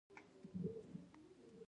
د ترنک سیند په زابل کې دی